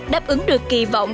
đáp ứng được kỳ vọng